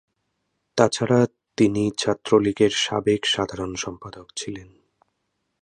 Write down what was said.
তাছাড়া তিনি ছাত্রলীগ এর সাবেক সাধারণ সম্পাদক ছিলেন।